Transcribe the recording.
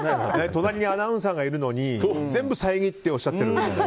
隣にアナウンサーがいるのに全部遮っておっしゃっている。